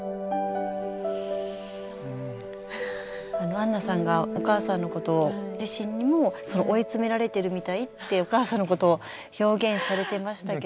あんなさんがお母さんのこと自身にも追い詰められてるみたいってお母さんのことを表現されてましたけど。